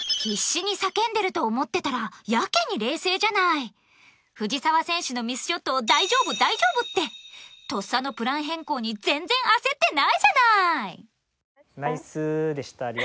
必死に叫んでると思ってたらやけに冷静じゃない藤澤選手のミスショットを大丈夫、大丈夫ってとっさのプラン変更に全然焦ってないじゃない内田：「ナイスー」でした。